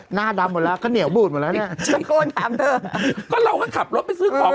หน้าดำหมดแล้วข้างเหนียวกามูดหมดแล้ว